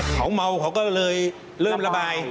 เขาเมาเขาก็เลยเริ่มระบาย